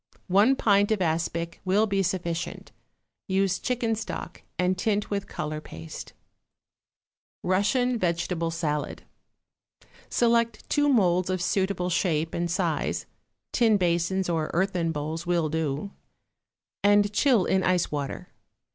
One pint of aspic will be sufficient; use chicken stock, and tint with color paste. =Russian Vegetable Salad.= Select two moulds of suitable shape and size (tin basins or earthen bowls will do) and chill in ice water.